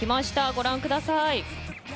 ご覧ください。